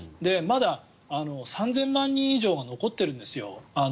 まだ３０００万人以上が残ってるんですよ。